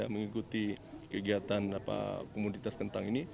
mengikuti kegiatan komunitas kentang ini